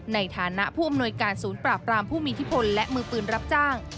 ในฐานะผู้อำนวยการศูนย์ปราบรามผู้มีอิทธิพลและมือปืนรับจ้าง